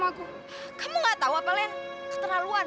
aku mau pergi dulu